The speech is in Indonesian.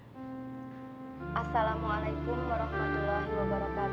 hai assalamualaikum warahmatullahi wabarakatuh